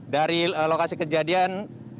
dari lokasi kejadian